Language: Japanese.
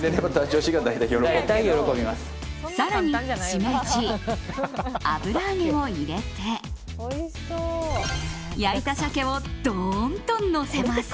更にシメジ、油揚げを入れて焼いた鮭をドーンとのせます。